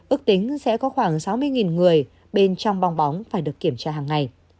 ước tính sẽ có khoảng sáu mươi người bên trong bong bóng phải được kiểm tra hàng ngày